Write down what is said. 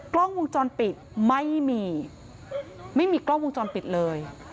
กล้องวงจรปิดไม่มีไม่มีกล้องวงจรปิดเลย